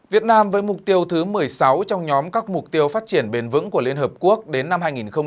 việt nam với mục tiêu thứ một mươi sáu trong nhóm các mục tiêu phát triển bền vững của liên hợp quốc đến năm hai nghìn ba mươi